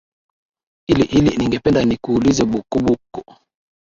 li hili ningependa nikuulize bukuku